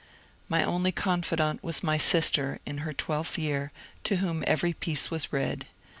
My only confidant was my sister (in her twelfth year), to whom every piece was read.